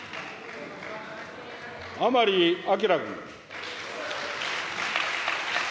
甘利明君。